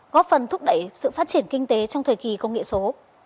góp phần thúc đẩy sự phát triển kinh tế trong thời kỳ công nghệ số